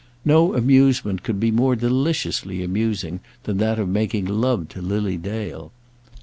No amusement could be more deliciously amusing than that of making love to Lily Dale.